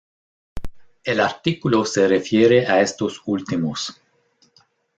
El artículo se refiere a estos últimos.